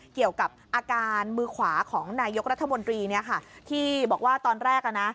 เกี่ยวกับอาการมือขวาของนายกรัฐมนตรีที่บอกว่าตอนแรกอ่ะนะ